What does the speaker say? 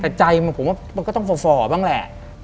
แต่ใจมันฟังก็ต้องฟ่อบ้างแหละ